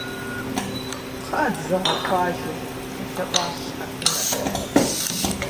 КхъыӀэ, дызэгъэхъуажэ, къелъэӀуащ щхьэхынэр.